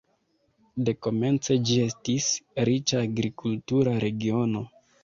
Dekomence ĝi estis riĉa agrikultura regiono.